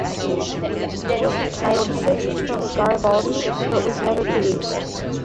It was retitled "Fifth From Garibaldi" but was never produced.